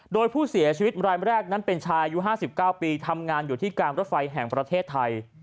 โดยผู้เสียชีวิตรายแรกนั้นเป็นชายอายุ๕๙ปีทำงานอยู่ที่การรถไฟแห่งประเทศไทย